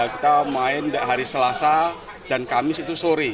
kita main hari selasa dan kamis itu sore